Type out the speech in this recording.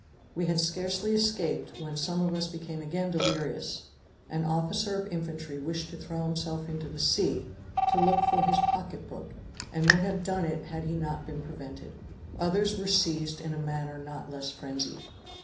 We had scarcely escaped when some of us became again delirious. An officer of infantry wished to throw himself into the sea, to look for his pocket book, and would have done it had he not been prevented. Others were seized in a manner not less frenzied.